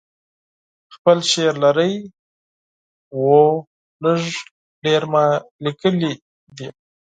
خپل شعر لرئ؟ هو، لږ ډیر می لیکلي ده